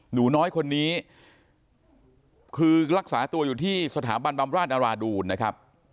หนูน้อยคนนี้คือรักษาตัวอยู่ที่สถาบันบำราชอราดูลนะครับ